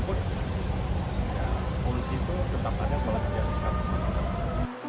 polusi itu tetap ada kalau kita bisa bersama sama